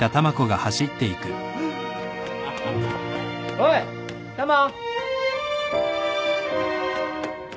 おいタマ！